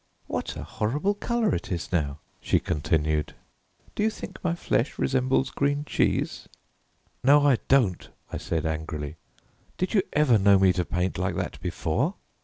"What a horrible colour it is now," she continued. "Do you think my flesh resembles green cheese?" "No, I don't," I said angrily; "did you ever know me to paint like that before?"